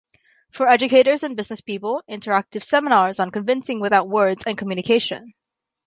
For educators and business people, interactive seminars on convincing without words and communication.